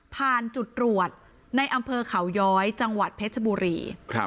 ผ่านจุดตรวจในอำเภอเขาย้อยจังหวัดเพชรบุรี